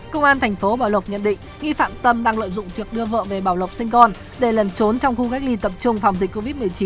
công an thành phố bảo lộc nhận định nghi phạm tâm đang lợi dụng việc đưa vợ về bảo lộc sinh con để lần trốn trong khu cách ly tập trung phòng dịch covid một mươi chín